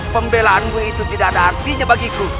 pembelaanmu itu tidak ada artinya bagiku